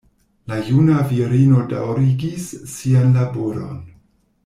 La juna virino daŭrigis sian laboron.